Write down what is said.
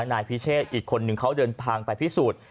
นายพิเชษอีกคนนึงเขาเดินทางไปพิสูจน์